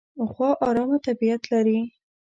غوا ارامه طبیعت لري.